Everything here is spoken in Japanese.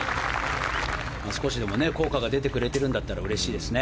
少しでも効果が出てくれてるんだったらうれしいですね。